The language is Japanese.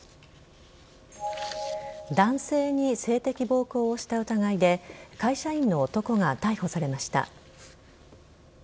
男性に性的暴行をした疑いで会社員の男が逮捕されました。